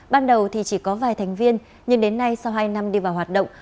ban đầu thì chỉ có vài thành viên nhưng đến nay sau hai năm đi vào hoạt động